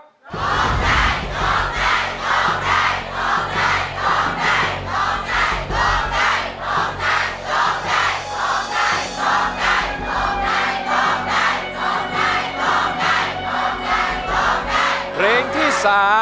ร้องได้ร้องได้ร้องได้